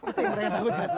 itu yang mereka takutkan